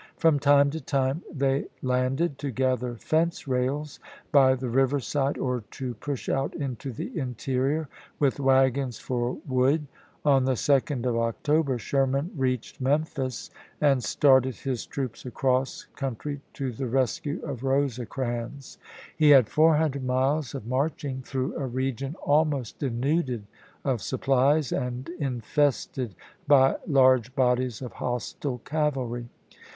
From time to time they landed to gather fence rails by the riverside or to push out into the interior with wagons for wood. On the 2d of October Sherman reached isea. 132 ABKAHAM LINCOLN Chap. V. Memphis and started his troops across country to the rescue of Rosecrans. He had 400 miles of marching through a region almost denuded of supplies and infested by large bodies of hostile 1863. cavalry.